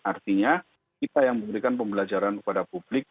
artinya kita yang memberikan pembelajaran kepada publik